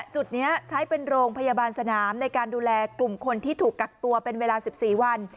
จุดนี้ใช้เป็นโรงพยาบาลสนามในการดูแลกลุ่มคนที่ถูกกักตัวเป็นเวลา๑๔วัน